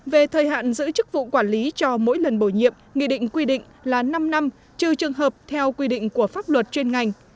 về thời hạn giữ chức vụ quản lý cho mỗi lần bổ nhiệm nghị định quy định là năm năm trừ trường hợp theo quy định của pháp luật trên ngành